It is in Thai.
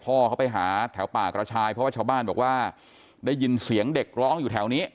พ่อเขาไปหาแถวป่ากระชายเพราะว่าชาวบ้านบอกว่าได้ยินเสียงเด็กร้องอยู่แถวนี้